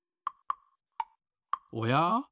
おや？